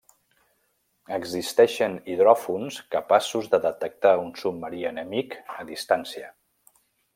Existeixen hidròfons capaços de detectar un submarí enemic a distància.